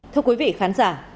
thưa quý vị khán giả